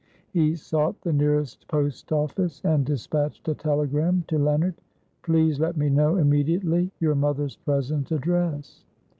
He sought the nearest post office, and dispatched a telegram to Leonard; "Please let me know immediately your mother's present address."